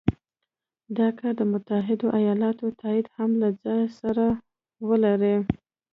دا کار د متحدو ایالتونو تایید هم له ځانه سره ولري.